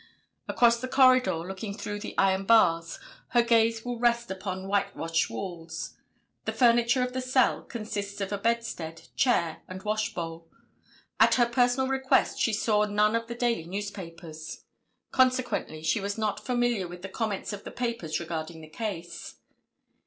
Across the corridor, looking through the iron bars, her gaze will rest upon whitewashed walls. The furniture of the cell consists of a bedstead, chair and washbowl. At her personal request she saw none of the daily newspapers. Consequently she was not familiar with the comments of the papers regarding the case.